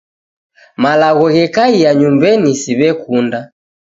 Malagho ghekai nyumbenyi siw'ekunda.